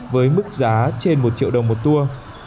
với mức giá trên một triệu đồng một tour